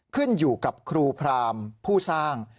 ขึ้นอยู่กับครูพรามผู้สร้าง